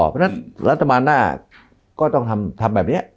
เพราะฉะนั้นรัฐบาลหน้าก็ต้องทำแบบนี้